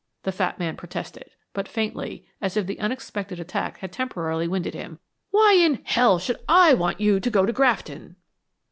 the fat man protested, but faintly, as if the unexpected attack had temporarily winded him. "Why in h ll should I want you to go to Grafton?"